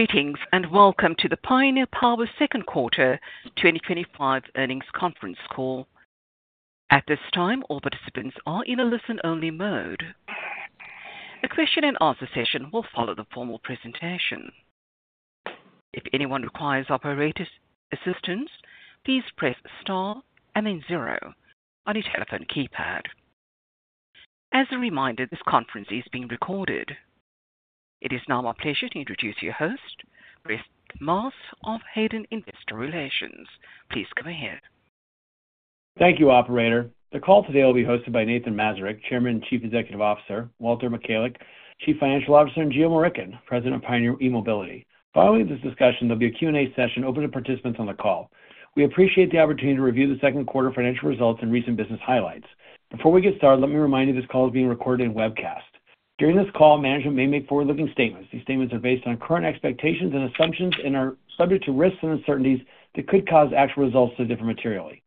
Meetings and welcome to the Pioneer Power Solutions Second Quarter 2025 Earnings Conference Call. At this time, all participants are in a listen-only mode. A question-and-answer session will follow the formal presentation. If anyone requires operator's assistance, please press star and then zero on your telephone keypad. As a reminder, this conference is being recorded. It is now my pleasure to introduce your host, Brett Maas of Hayden Investor Relations. Please come ahead. Thank you, operator. The call today will be hosted by Nathan Mazurek, Chairman and Chief Executive Officer; Walter Michalec, Chief Financial Officer; and Geo Murickan, President of Pioneer eMobility. Following this discussion, there will be a Q&A session open to participants on the call. We appreciate the opportunity to review the second quarter financial results and recent business highlights. Before we get started, let me remind you this call is being recorded and webcast. During this call, management may make forward-looking statements. These statements are based on current expectations and assumptions and are subject to risks and uncertainties that could cause actual results to differ materially.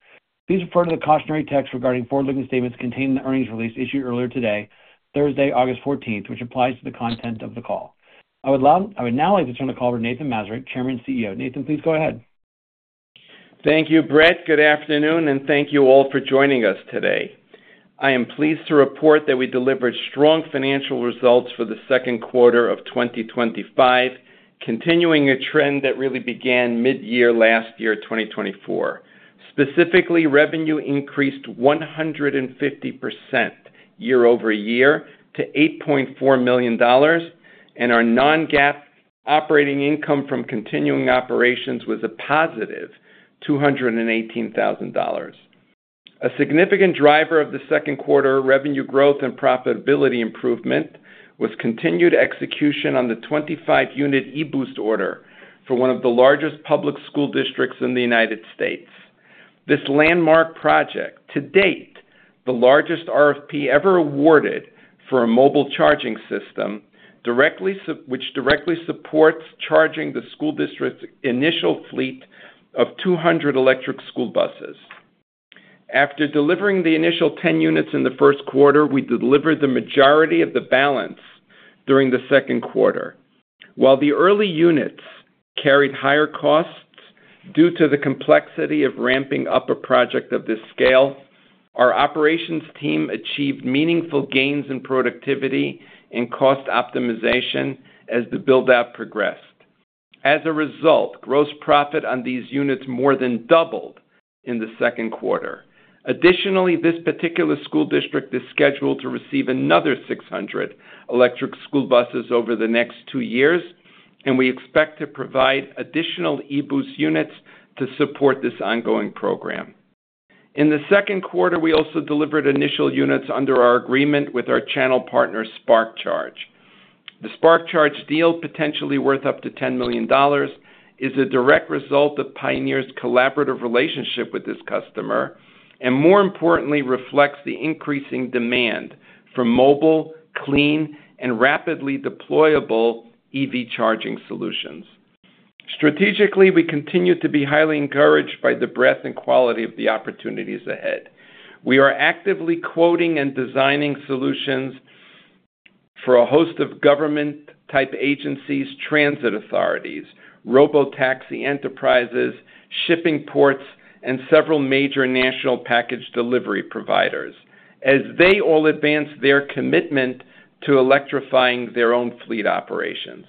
Please refer to the cautionary text regarding forward-looking statements contained in the earnings release issued earlier today, Thursday, August 14, which applies to the content of the call. I would now like to turn the call over to Nathan Mazurek, Chairman and CEO. Nathan, please go ahead. Thank you, Brett. Good afternoon, and thank you all for joining us today. I am pleased to report that we delivered strong financial results for the second quarter of 2025, continuing a trend that really began mid-year last year, 2024. Specifically, revenue increased 150% year-over-year to $8.4 million, and our non-GAAP operating income from continuing operations was a +$218,000. A significant driver of the second quarter revenue growth and profitability improvement was continued execution on the 25-unit e-Boost order for one of the largest public school districts in the United States. This landmark project, to date, is the largest RFP ever awarded for a mobile charging system, which directly supports charging the school district's initial fleet of 200 electric school buses. After delivering the initial 10 units in the first quarter, we delivered the majority of the balance during the second quarter. While the early units carried higher costs due to the complexity of ramping up a project of this scale, our operations team achieved meaningful gains in productivity and cost optimization as the build-out progressed. As a result, gross profit on these units more than doubled in the second quarter. Additionally, this particular school district is scheduled to receive another 600 electric school buses over the next two years, and we expect to provide additional e-Boost units to support this ongoing program. In the second quarter, we also delivered initial units under our agreement with our channel partner, SparkCharge. The SparkCharge deal, potentially worth up to $10 million, is a direct result of Pioneer's collaborative relationship with this customer and, more importantly, reflects the increasing demand for mobile, clean, and rapidly deployable EV charging solutions. Strategically, we continue to be highly encouraged by the breadth and quality of the opportunities ahead. We are actively quoting and designing solutions for a host of government-type agencies, transit authorities, robotaxi enterprises, shipping ports, and several major national package delivery providers as they all advance their commitment to electrifying their own fleet operations.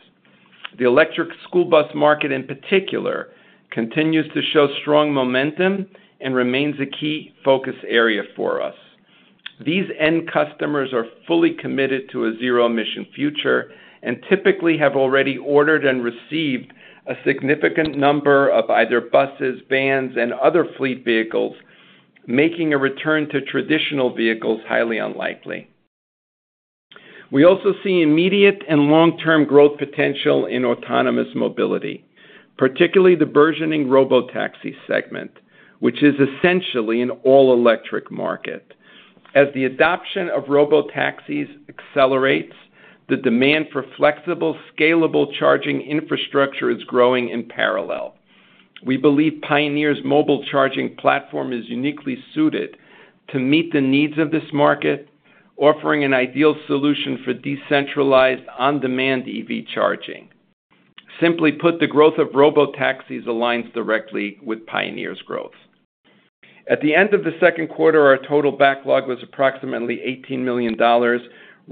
The electric school bus market, in particular, continues to show strong momentum and remains a key focus area for us. These end customers are fully committed to a zero-emission future and typically have already ordered and received a significant number of either buses, vans, and other fleet vehicles, making a return to traditional vehicles highly unlikely. We also see immediate and long-term growth potential in autonomous mobility, particularly the burgeoning robotaxi segment, which is essentially an all-electric market. As the adoption of robotaxis accelerates, the demand for flexible, scalable charging infrastructure is growing in parallel. We believe Pioneer's mobile charging platform is uniquely suited to meet the needs of this market, offering an ideal solution for decentralized, on-demand EV charging. Simply put, the growth of robotaxis aligns directly with Pioneer's growth. At the end of the second quarter, our total backlog was approximately $18 million,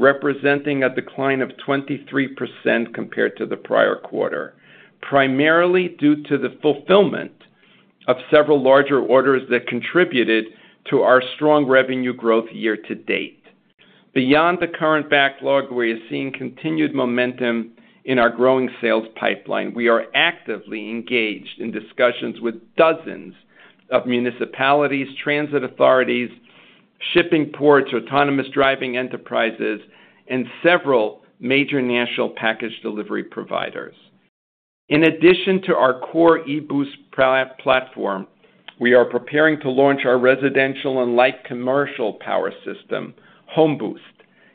representing a decline of 23% compared to the prior quarter, primarily due to the fulfillment of several larger orders that contributed to our strong revenue growth year to date. Beyond the current backlog, we are seeing continued momentum in our growing sales pipeline. We are actively engaged in discussions with dozens of municipalities, transit authorities, shipping ports, autonomous driving enterprises, and several major national package delivery providers. In addition to our core e-Boost platform, we are preparing to launch our residential and light commercial power system, HomeBoost,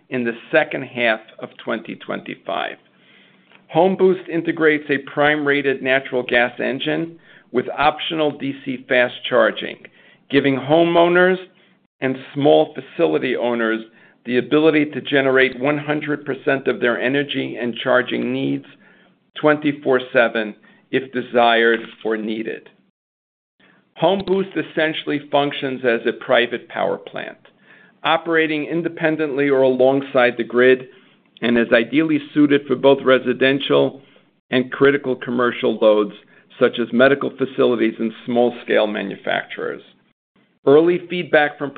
in the second half of 2025. HomeBoost integrates a prime-rated natural gas engine with optional DC fast charging, giving homeowners and small facility owners the ability to generate 100% of their energy and charging needs 24/7 if desired or needed. HomeBoost essentially functions as a private power plant, operating independently or alongside the grid, and is ideally suited for both residential and critical commercial loads such as medical facilities and small-scale manufacturers. Early feedback from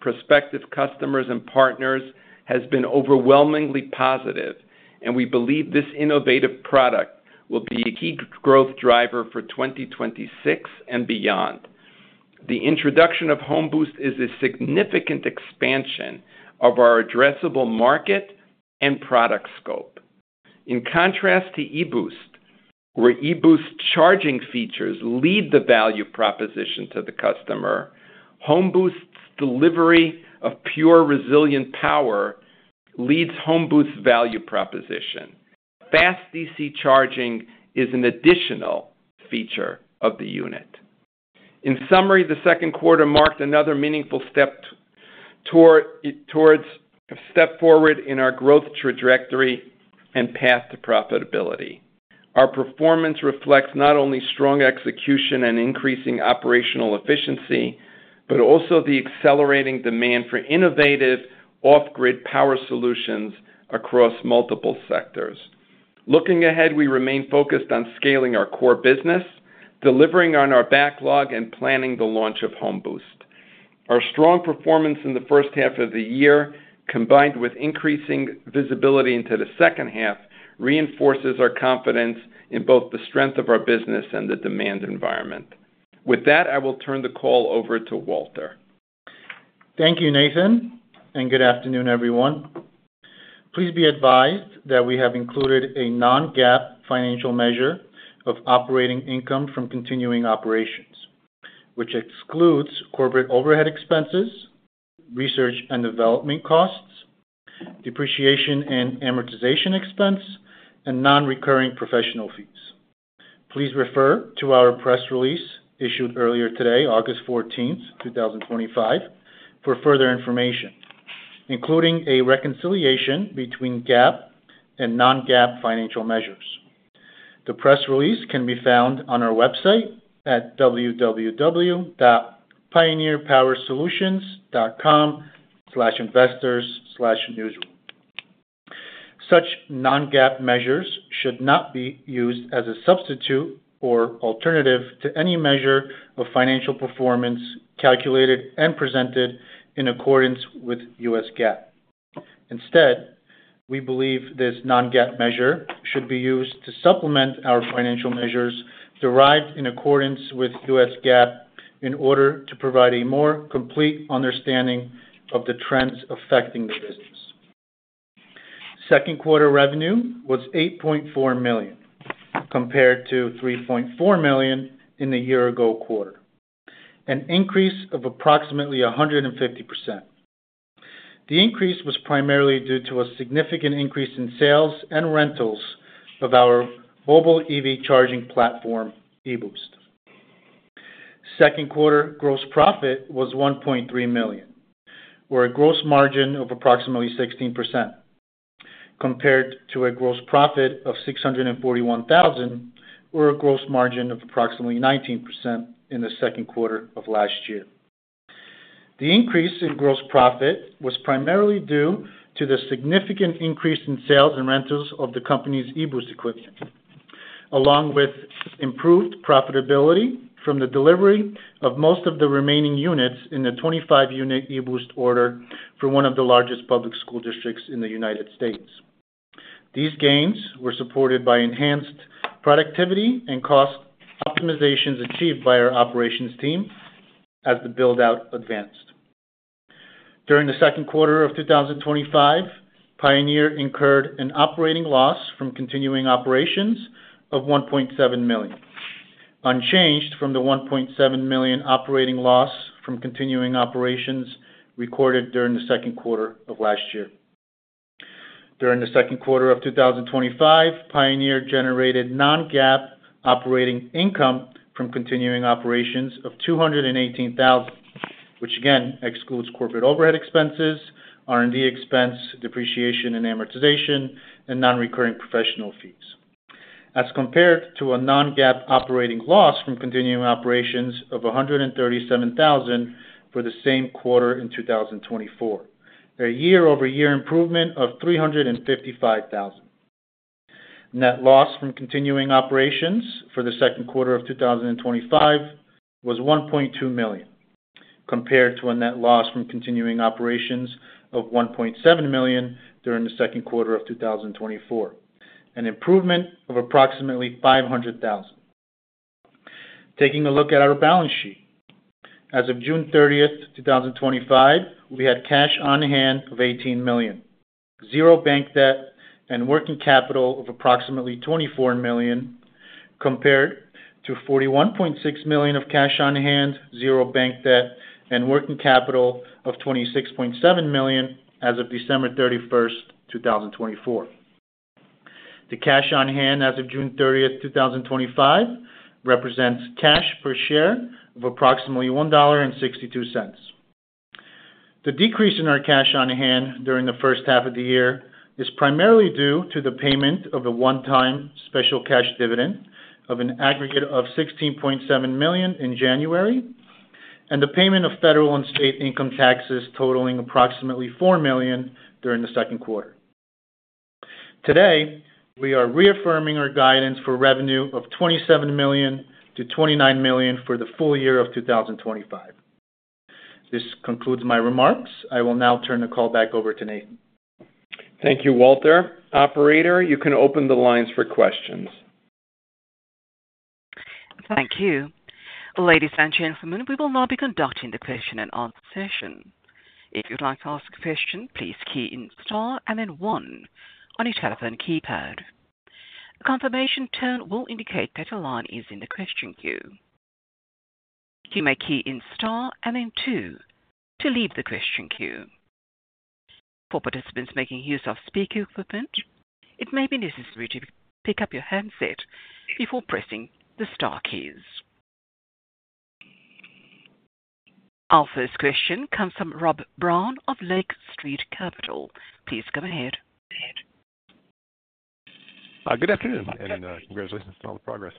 prospective customers and partners has been overwhelmingly positive, and we believe this innovative product will be a key growth driver for 2026 and beyond. The introduction of HomeBoost is a significant expansion of our addressable market and product scope. In contrast to e-Boost, where e-Boost's charging features lead the value proposition to the customer, HomeBoost's delivery of pure, resilient power leads HomeBoost's value proposition. Fast DC charging is an additional feature of the unit. In summary, the second quarter marked another meaningful step forward in our growth trajectory and path to profitability. Our performance reflects not only strong execution and increasing operational efficiency, but also the accelerating demand for innovative off-grid power solutions across multiple sectors. Looking ahead, we remain focused on scaling our core business, delivering on our backlog, and planning the launch of HomeBoost. Our strong performance in the first half of the year, combined with increasing visibility into the second half, reinforces our confidence in both the strength of our business and the demand environment. With that, I will turn the call over to Walter. Thank you, Nathan, and good afternoon, everyone. Please be advised that we have included a non-GAAP financial measure of operating income from continuing operations, which excludes corporate overhead expenses, research and development costs, depreciation and amortization expense, and non-recurring professional fees. Please refer to our press release issued earlier today, August 14th, 2025, for further information, including a reconciliation between GAAP and non-GAAP financial measures. The press release can be found on our website at www.pioneerpowersolutions.com/investors/newsroom. Such non-GAAP measures should not be used as a substitute or alternative to any measure of financial performance calculated and presented in accordance with U.S. GAAP. Instead, we believe this non-GAAP measure should be used to supplement our financial measures derived in accordance with U.S. GAAP in order to provide a more complete understanding of the trends affecting the business. Second quarter revenue was $8.4 million compared to $3.4 million in the year-ago quarter, an increase of approximately 150%. The increase was primarily due to a significant increase in sales and rentals of our mobile EV charging platform, e-Boost. Second quarter gross profit was $1.3 million, or a gross margin of approximately 16%, compared to a gross profit of $641,000, or a gross margin of approximately 19% in the second quarter of last year. The increase in gross profit was primarily due to the significant increase in sales and rentals of the company's e-Boost equipment, along with improved profitability from the delivery of most of the remaining units in the 25-unit e-Boost order for one of the largest public school districts in the United States. These gains were supported by enhanced productivity and cost optimizations achieved by our operations team as the build-out advanced. During the second quarter of 2025, [Pioneer Power Solutions] incurred an operating loss from continuing operations of $1.7 million, unchanged from the $1.7 million operating loss from continuing operations recorded during the second quarter of last year. During the second quarter of 2025, Pioneer Power Solutions generated non-GAAP operating income from continuing operations of $218,000, which again excludes corporate overhead expenses, R&D expense, depreciation and amortization, and non-recurring professional fees, as compared to a non-GAAP operating loss from continuing operations of $137,000 for the same quarter in 2024, a year-over-year improvement of $355,000. Net loss from continuing operations for the second quarter of 2025 was $1.2 million, compared to a net loss from continuing operations of $1.7 million during the second quarter of 2024, an improvement of approximately $500,000. Taking a look at our balance sheet, as of June 30th, 2025, we had cash on hand of $18 million, zero bank debt, and working capital of approximately $24 million, compared to $41.6 million of cash on hand, zero bank debt, and working capital of $26.7 million as of December 31, 2024. The cash on hand as of June 30th, 2025 represents cash per share of approximately $1.62. The decrease in our cash on hand during the first half of the year is primarily due to the payment of a one-time special cash dividend of an aggregate of $16.7 million in January and the payment of federal and state income taxes totaling approximately $4 million during the second quarter. Today, we are reaffirming our guidance for revenue of $27 million-$29 million for the full year of 2025. This concludes my remarks. I will now turn the call back over to Nathan. Thank you, Walter. Operator, you can open the lines for questions. Thank you. Ladies and gentlemen, we will now be conducting the question-and-answer session. If you'd like to ask a question, please key in star and then one on your telephone keypad. A confirmation tone will indicate that a line is in the question queue. You may key in star and then two to leave the question queue. For participants making use of speaker equipment, it may be necessary to pick up your handset before pressing the star keys. Our first question comes from Rob Brown of Lake Street Capital. Please go ahead. Good afternoon and congratulations on all the progress.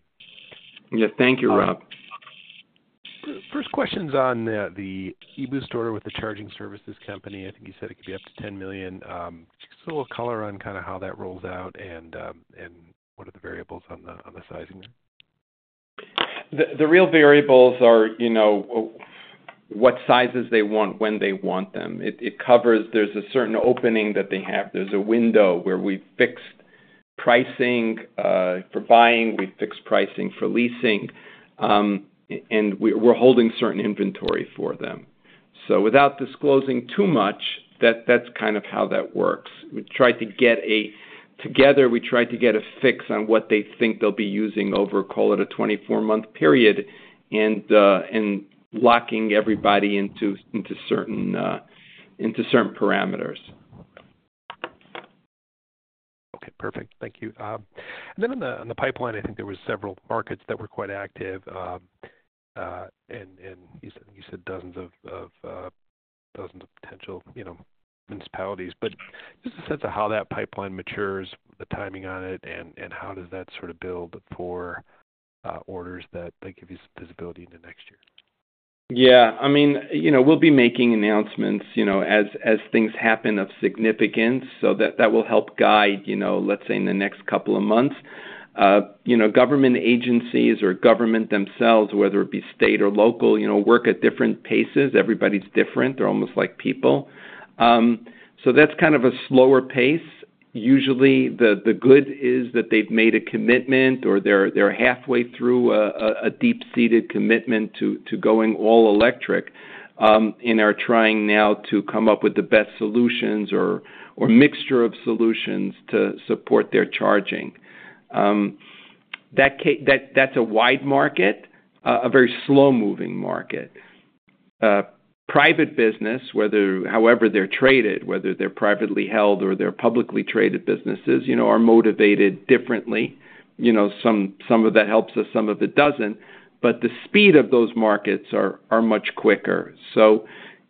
Yeah, thank you, Rob. First question's on the e-Boost order with the charging services company. I think you said it could be up to $10 million. Just a little color on kind of how that rolls out and what are the variables on the sizing there? The real variables are, you know, what sizes they want, when they want them. It covers, there's a certain opening that they have. There's a window where we've fixed pricing for buying, we've fixed pricing for leasing, and we're holding certain inventory for them. Without disclosing too much, that's kind of how that works. We try to get a, together, we try to get a fix on what they think they'll be using over, call it a 24-month period, and locking everybody into certain parameters. Okay, perfect. Thank you. On the pipeline, I think there were several markets that were quite active, and you said dozens of potential municipalities. Just a sense of how that pipeline matures, the timing on it, and how does that sort of build for orders that give you visibility into next year? Yeah, I mean, we'll be making announcements as things happen of significance. That will help guide, let's say, in the next couple of months. Government agencies or government themselves, whether it be state or local, work at different paces. Everybody's different. They're almost like people. That's kind of a slower pace. Usually, the good is that they've made a commitment or they're halfway through a deep-seated commitment to going all electric and are trying now to come up with the best solutions or mixture of solutions to support their charging. That's a wide market, a very slow-moving market. Private business, however they're traded, whether they're privately held or they're publicly traded businesses, are motivated differently. Some of that helps us, some of it doesn't. The speed of those markets is much quicker.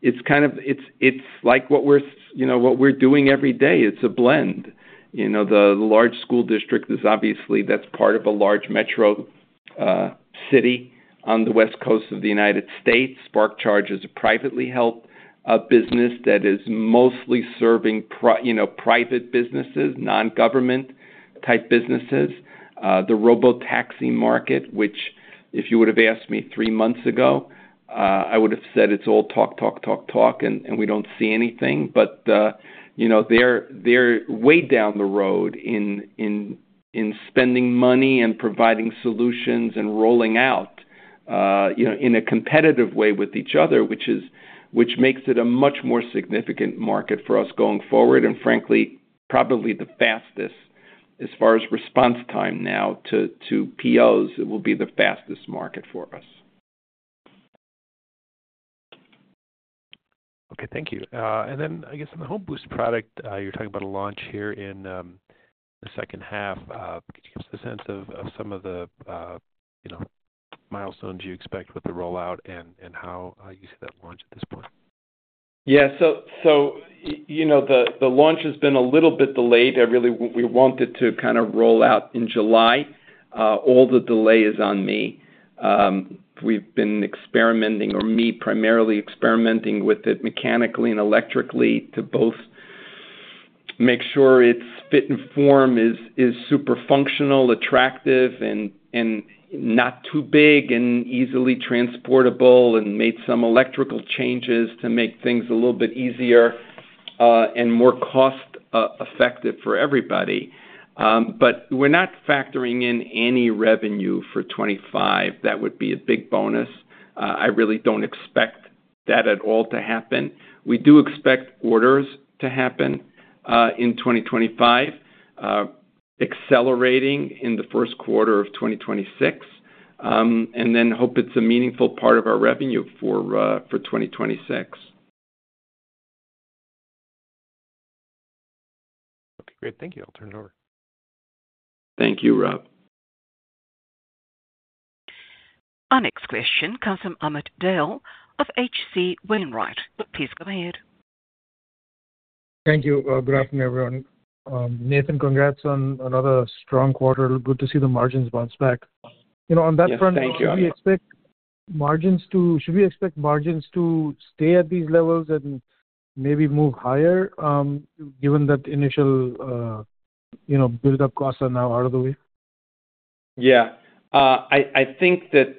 It's like what we're doing every day. It's a blend. The large school district is obviously part of a large metro city on the West Coast of the United States. SparkCharge is a privately held business that is mostly serving private businesses, non-government type businesses. The robotaxi market, which if you would have asked me three months ago, I would have said it's all talk, talk, talk, talk, and we don't see anything. They're way down the road in spending money and providing solutions and rolling out in a competitive way with each other, which makes it a much more significant market for us going forward. Frankly, probably the fastest as far as response time now to POs, it will be the fastest market for us. Okay, thank you. In the HomeBoost product, you're talking about a launch here in the second half. Could you give us a sense of some of the milestones you expect with the rollout and how you see that launch at this point? Yeah, the launch has been a little bit delayed. I really, we wanted to kind of roll out in July. All the delay is on me. We've been experimenting, or me primarily experimenting with it mechanically and electrically to both make sure its fit and form is super functional, attractive, and not too big and easily transportable, and made some electrical changes to make things a little bit easier and more cost-effective for everybody. We're not factoring in any revenue for 2025. That would be a big bonus. I really don't expect that at all to happen. We do expect orders to happen in 2025, accelerating in the first quarter of 2026, and then hope it's a meaningful part of our revenue for 2026. Great, thank you. I'll turn it over. Thank you, Rob. Our next question comes from Amit Dayal of H.C. Wainwright. Please go ahead. Thank you. Good afternoon, everyone. Nathan, congrats on another strong quarter. Good to see the margins bounce back. On that front, should we expect margins to stay at these levels and maybe move higher given that initial build-up costs are now out of the way? I think that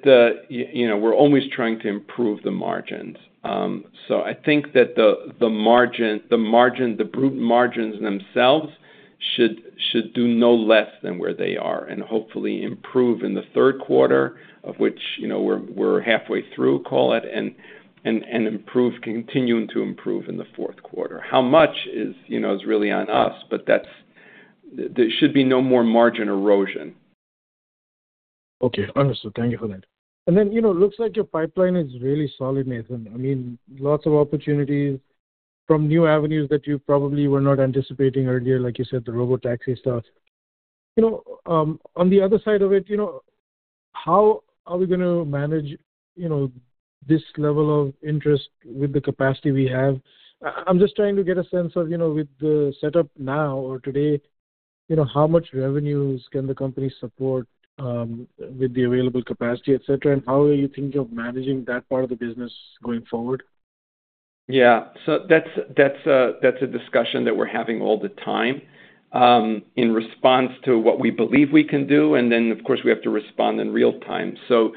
we're always trying to improve the margins. I think that the margin, the margin, the gross margins themselves should do no less than where they are and hopefully improve in the third quarter, of which we're halfway through, call it, and continue to improve in the fourth quarter. How much is really on us, but there should be no more margin erosion. Okay, understood. Thank you for that. It looks like your pipeline is really solid, Nathan. I mean, lots of opportunities from new avenues that you probably were not anticipating earlier, like you said, the robotaxi stuff. On the other side of it, how are we going to manage this level of interest with the capacity we have? I'm just trying to get a sense of, with the setup now or today, how much revenues can the company support with the available capacity, etc., and how are you thinking of managing that part of the business going forward? Yeah, that's a discussion that we're having all the time in response to what we believe we can do, and then, of course, we have to respond in real time. For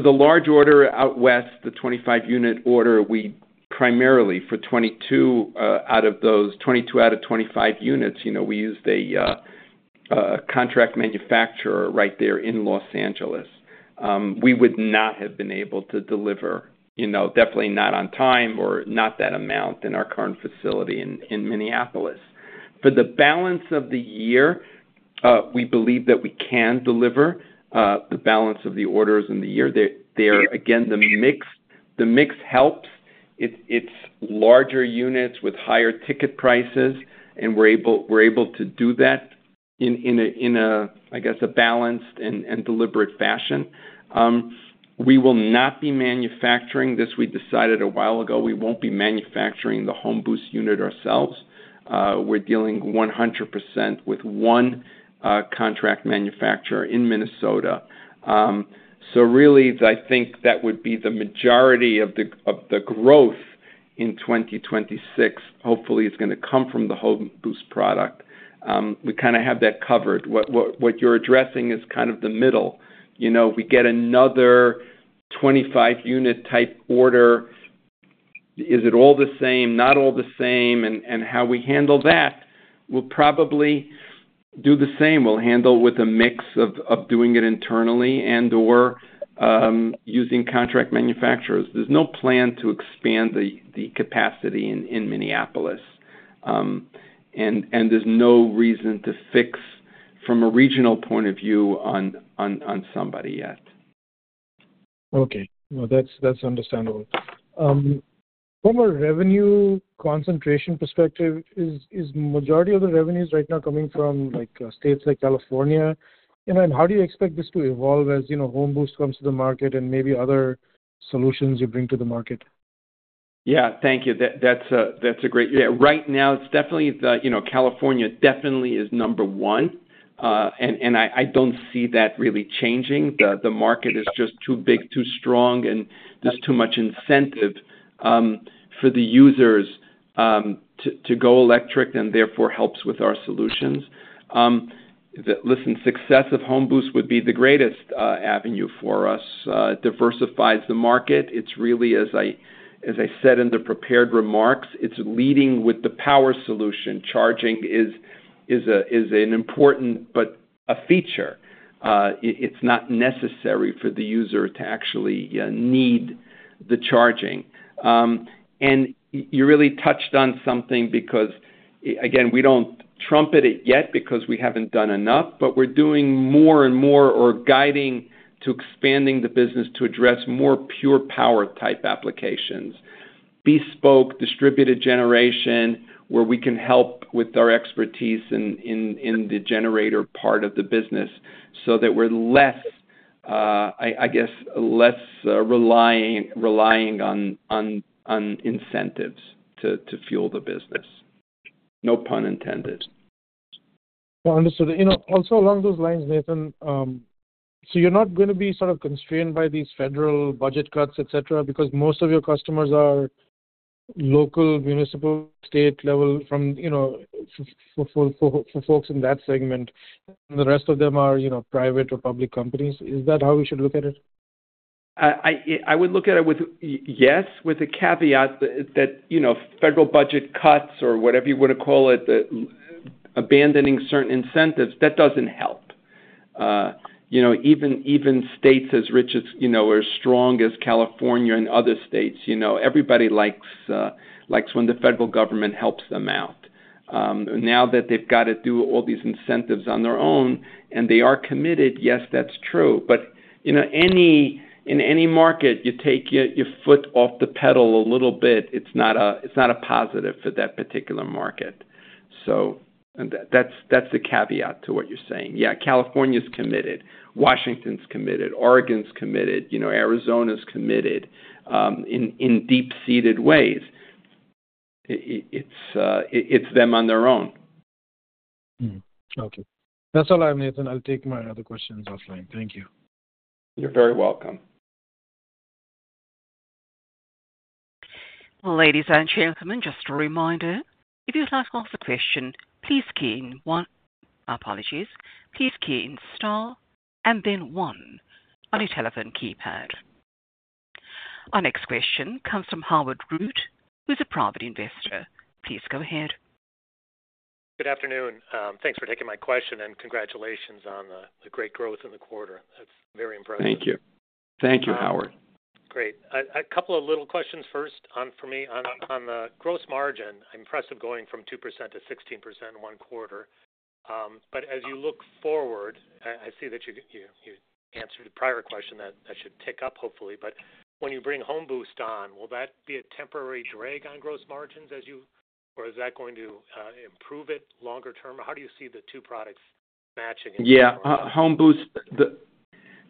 the large order out west, the 25-unit order, for 22 out of 25 units, we used a contract manufacturer right there in Los Angeles. We would not have been able to deliver, definitely not on time or that amount in our current facility in Minneapolis. For the balance of the year, we believe that we can deliver the balance of the orders in the year. There again, the mix helps. It's larger units with higher ticket prices, and we're able to do that in a balanced and deliberate fashion. We will not be manufacturing this. We decided a while ago we won't be manufacturing the HomeBoost unit ourselves. We're dealing 100% with one contract manufacturer in Minnesota. I think that would be the majority of the growth in 2026, hopefully is going to come from the HomeBoost product. We kind of have that covered. What you're addressing is kind of the middle. We get another 25-unit type order. Is it all the same, not all the same, and how we handle that? We'll probably do the same. We'll handle it with a mix of doing it internally and/or using contract manufacturers. There's no plan to expand the capacity in Minneapolis, and there's no reason to fix from a regional point of view on somebody yet. That's understandable. From a revenue concentration perspective, is the majority of the revenues right now coming from states like California? How do you expect this to evolve as HomeBoost comes to the market and maybe other solutions you bring to the market? Thank you. That's a great... Right now, it's definitely the, you know, California definitely is number one, and I don't see that really changing. The market is just too big, too strong, and there's too much incentive for the users to go electric and therefore helps with our solutions. Listen, the success of HomeBoost would be the greatest avenue for us. It diversifies the market. It's really, as I said in the prepared remarks, it's leading with the power solution. Charging is important, but a feature. It's not necessary for the user to actually need the charging. You really touched on something because, again, we don't trumpet it yet because we haven't done enough, but we're doing more and more or guiding to expanding the business to address more pure power type applications, bespoke distributed generation where we can help with our expertise in the generator part of the business so that we're less, I guess, less relying on incentives to fuel the business. No pun intended. Understood. You know, also along those lines, Nathan, you're not going to be sort of constrained by these federal budget cuts, et cetera, because most of your customers are local, municipal, state level from, you know, for folks in that segment, and the rest of them are, you know, private or public companies. Is that how we should look at it? I would look at it with, yes, with the caveat that, you know, federal budget cuts or whatever you want to call it, abandoning certain incentives, that doesn't help. You know, even states as rich as, you know, or as strong as California and other states, you know, everybody likes when the federal government helps them out. Now that they've got to do all these incentives on their own and they are committed, yes, that's true. In any market, you take your foot off the pedal a little bit, it's not a positive for that particular market. That's the caveat to what you're saying. Yeah, California's committed. Washington's committed. Oregon's committed. You know, Arizona's committed in deep-seated ways. It's them on their own. Okay. That's all I have, Nathan. I'll take my other questions offline. Thank you. You're very welcome. Ladies and gentlemen, just a reminder, if you'd like to ask a question, please key in star and then one on your telephone keypad. Our next question comes from Howard Root, who's a private investor. Please go ahead. Good afternoon. Thanks for taking my question, and congratulations on the great growth in the quarter. That's very impressive. Thank you. Thank you, Howard. Great. A couple of little questions first for me on the gross margin. Impressive going from 2%-16% in one quarter. As you look forward, I see that you answered the prior question that should tick up, hopefully. When you bring HomeBoost on, will that be a temporary drag on gross margins, or is that going to improve it longer term? How do you see the two products matching? Yeah, HomeBoost,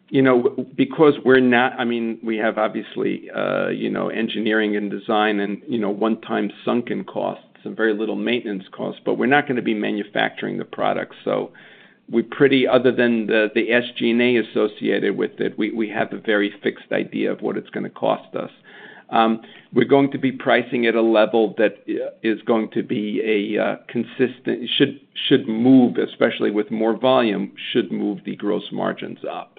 you know, because we're not, I mean, we have obviously, you know, engineering and design and, you know, one-time sunken costs and very little maintenance costs, but we're not going to be manufacturing the product. We're pretty, other than the SG&A associated with it, we have a very fixed idea of what it's going to cost us. We're going to be pricing at a level that is going to be a consistent, should move, especially with more volume, should move the gross margins up.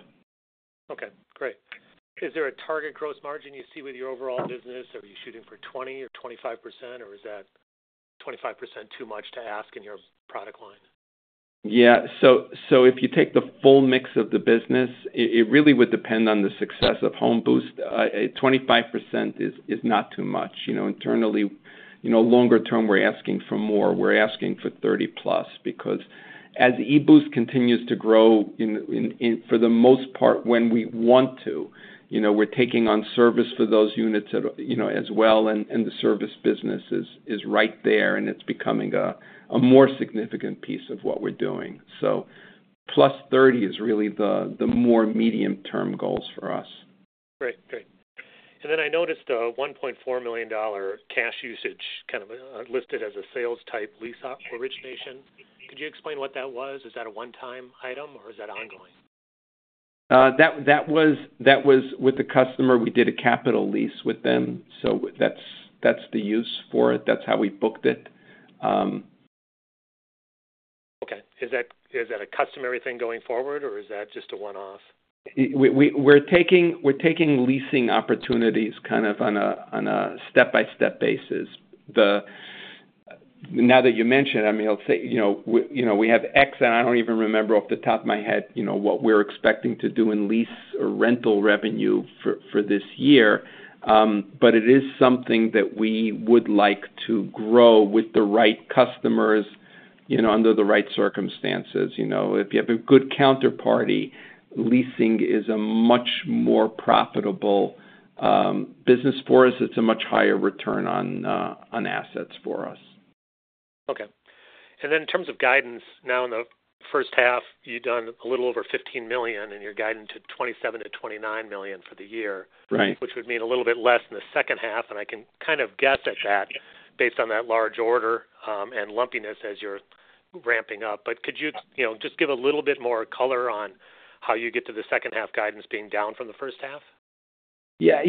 Okay, great. Is there a target gross margin you see with your overall business? Are you shooting for 20 or 25%, or is that 25% too much to ask in your product line? Yeah, so if you take the full mix of the business, it really would depend on the success of HomeBoost. 25% is not too much. You know, internally, longer term, we're asking for more. We're asking for 30%+ because as e-Boost continues to grow, for the most part, when we want to, we're taking on service for those units as well, and the service business is right there, and it's becoming a more significant piece of what we're doing. 30%+ is really the more medium-term goals for us. Great, great. I noticed a $1.4 million cash usage kind of listed as a sales type lease origination. Could you explain what that was? Is that a one-time item or is that ongoing? That was with the customer. We did a capital lease with them. That's the use for it. That's how we booked it. Okay. Is that a customer thing going forward, or is that just a one-off? We're taking leasing opportunities kind of on a step-by-step basis. Now that you mention it, I mean, you know, we have X, and I don't even remember off the top of my head what we're expecting to do in lease or rental revenue for this year. It is something that we would like to grow with the right customers, under the right circumstances. If you have a good counterparty, leasing is a much more profitable business for us. It's a much higher return on assets for us. Okay. In terms of guidance, now in the first half, you've done a little over $15 million and you're guiding to $27 million-$29 million for the year, which would mean a little bit less in the second half. I can kind of guess at that based on that large order and lumpiness as you're ramping up. Could you just give a little bit more color on how you get to the second half guidance being down from the first half? Yeah,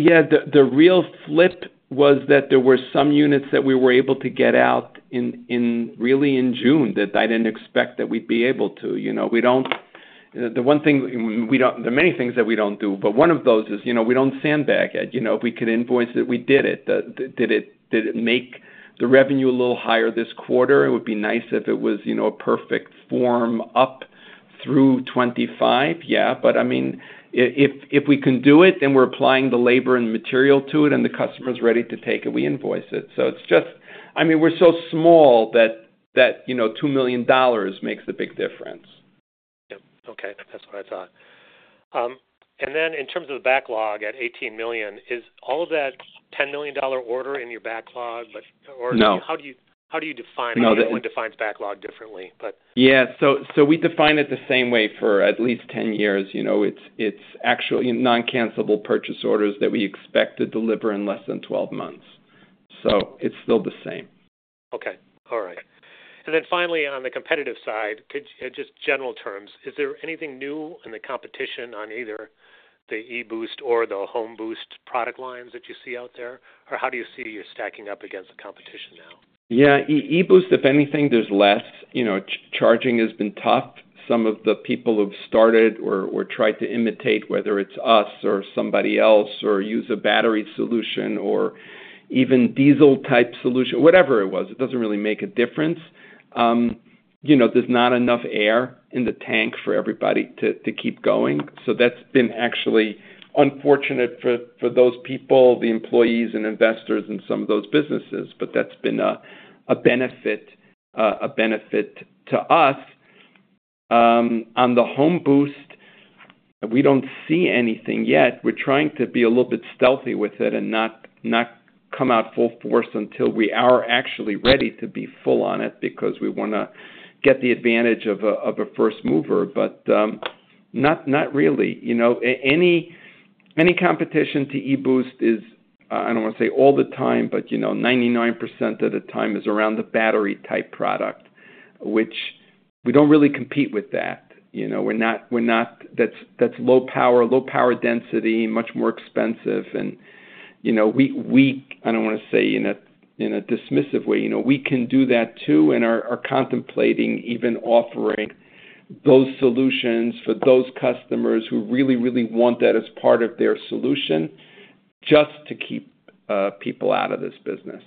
the real flip was that there were some units that we were able to get out in June that I didn't expect that we'd be able to. You know, the one thing we don't do, there are many things that we don't do, but one of those is, you know, we don't sandbag it. If we could invoice it, we did it. Did it make the revenue a little higher this quarter? It would be nice if it was a perfect form up through 2025. Yeah, but I mean, if we can do it, then we're applying the labor and material to it and the customer's ready to take it, we invoice it. We're so small that $2 million makes a big difference. Okay, that's what I thought. In terms of the backlog at $18 million, is all of that $10 million order in your backlog? No. How do you define it? No one defines backlog differently. Yeah, we define it the same way for at least 10 years. It's actually non-cancelable purchase orders that we expect to deliver in less than 12 months. It's still the same. Okay, all right. Finally, on the competitive side, could you, just in general terms, is there anything new in the competition on either the e-Boost or the HomeBoost product lines that you see out there? How do you see you're stacking up against the competition now? Yeah, e-Boost, if anything, there's less. Charging has been tough. Some of the people who've started or tried to imitate, whether it's us or somebody else, or use a battery solution or even diesel type solution, whatever it was, it doesn't really make a difference. There's not enough air in the tank for everybody to keep going. That's been actually unfortunate for those people, the employees and investors in some of those businesses, but that's been a benefit to us. On the HomeBoost, we don't see anything yet. We're trying to be a little bit stealthy with it and not come out full force until we are actually ready to be full on it because we want to get the advantage of a first-mover, but not really. Any competition to e-Boost is, I don't want to say all the time, but 99% of the time is around the battery type product, which we don't really compete with that. We're not, that's low power, low power density, much more expensive. I don't want to say in a dismissive way, we can do that too and are contemplating even offering those solutions for those customers who really, really want that as part of their solution just to keep people out of this business.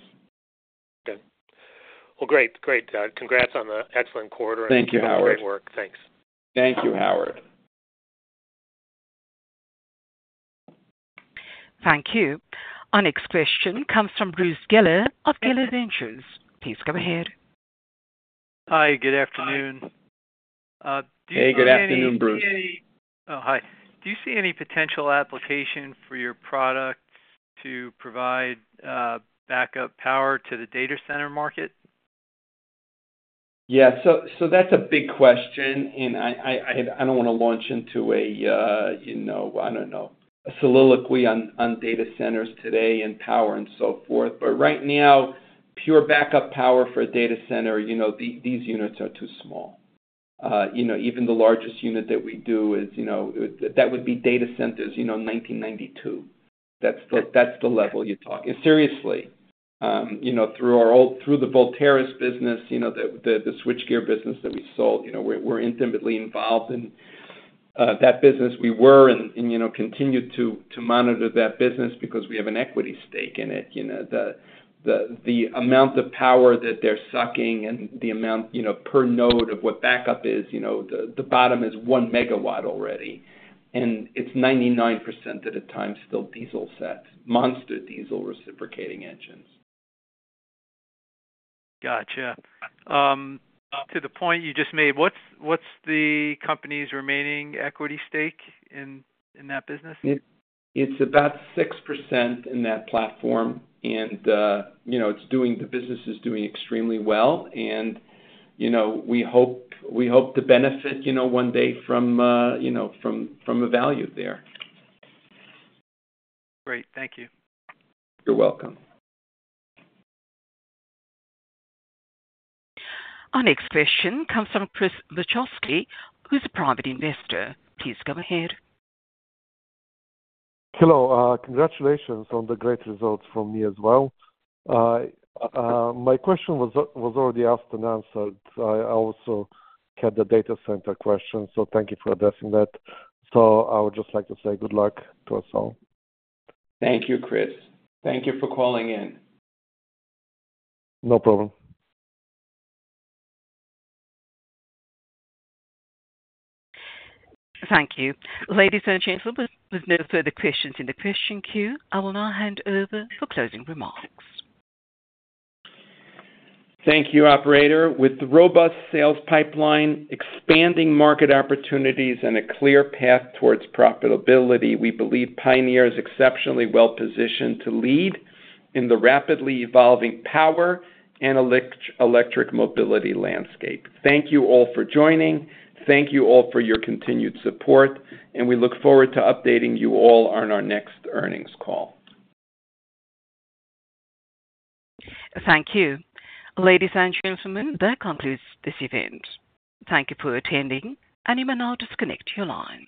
Great, great. Congrats on the excellent quarter and great work. Thank you, Howard. Thanks. Thank you, Howard. Thank you. Our next question comes from Bruce Geller of Geller Ventures. Please go ahead. Hi, good afternoon. Hey, good afternoon, Bruce. Hi. Do you see any potential application for your products to provide backup power to the data center market? Yeah, that's a big question. I don't want to launch into a soliloquy on data centers today and power and so forth. Right now, pure backup power for a data center, these units are too small. Even the largest unit that we do, that would be data centers in 1992. That's the level you're talking about, seriously. Through our old, through the Volterra business, the switchgear business that we sold, we're intimately involved in that business. We were and continue to monitor that business because we have an equity stake in it. The amount of power that they're sucking and the amount per node of what backup is, the bottom is one megawatt already. It's 99% of the time still diesel sets, monster diesel reciprocating engines. Gotcha. Up to the point you just made, what's the company's remaining equity stake in that business? It's about 6% in that platform. The business is doing extremely well, and we hope to benefit one day from a value there. Great, thank you. You're welcome. Our next question comes from Chris Wachowski, who's a private investor. Please go ahead. Hello, congratulations on the great results from me as well. My question was already asked and answered. I also had the data center question, thank you for addressing that. I would just like to say good luck to us all. Thank you, Chris. Thank you for calling in. No problem. Thank you. Ladies and gentlemen, there's no further questions in the question queue. I will now hand over for closing remarks. Thank you, operator. With the robust sales pipeline, expanding market opportunities, and a clear path towards profitability, we believe [Pioneer Power Solutions] is exceptionally well positioned to lead in the rapidly evolving power and electric mobility landscape. Thank you all for joining. Thank you all for your continued support. We look forward to updating you all on our next earnings call. Thank you. Ladies and gentlemen, that concludes this event. Thank you for attending, and you may now disconnect your line.